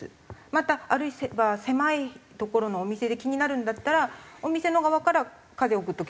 またあるいは狭い所のお店で気になるんだったらお店の側から風を送っておけばいいんですよ。